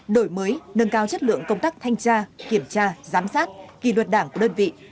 đổi mới nâng cao chất lượng công tác thanh tra kiểm tra giám sát kỳ luật đảng của đơn vị